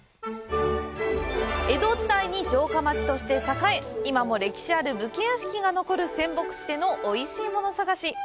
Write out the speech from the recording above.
江戸時代に城下町として栄え今も歴史ある武家屋敷が残る仙北市でのおいしいもの探し。